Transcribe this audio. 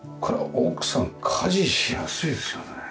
これは奥さん家事しやすいですよね。